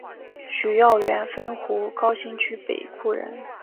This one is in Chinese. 许耀元汾湖高新区北厍人。